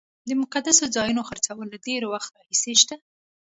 د مقدسو ځایونو خرڅول له ډېر وخت راهیسې شته.